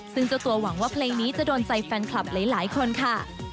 ซึ่งเจ้าตัวหวังว่าเพลงนี้จะโดนใจแฟนคลับหลายคนค่ะ